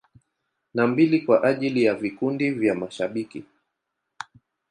Na mbili kwa ajili ya vikundi vya mashabiki.